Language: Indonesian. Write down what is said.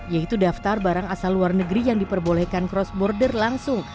yaitu daftar barang asal luar negeri yang diperbolehkan cross border langsung